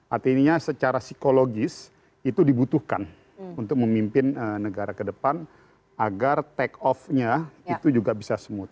artinya secara psikologis itu dibutuhkan untuk memimpin negara ke depan agar take off nya itu juga bisa smooth